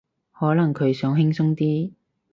可能佢想輕鬆啲